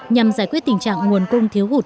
nhằm giải quyết tình trạng nguồn cung thiếu hụt